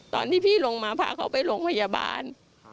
ตอนที่พี่ลงมาพาเขาไปโรงพยาบาล